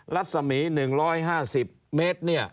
รัศมี๑๕๐เมตรเนี่ย